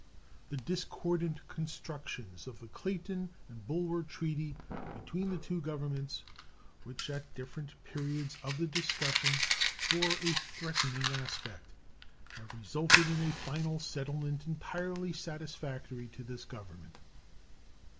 The discordant constructions of the Clayton and Bulwer treaty between the two Governments, which at different periods of the discussion bore a threatening aspect, have resulted in a final settlement entirely satisfactory to this Government.